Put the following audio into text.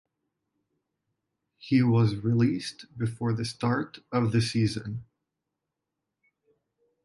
He was released before the start of the season.